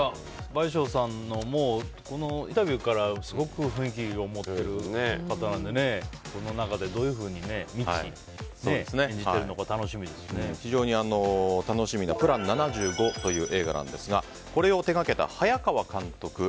倍賞さんのインタビューからすごく雰囲気を持ってる方なのでこの中でどう、ミチを演じているのか非常に楽しみな「ＰＬＡＮ７５」という映画ですがこれを手がけた早川監督